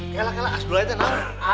kelak kelak asdulai itu namanya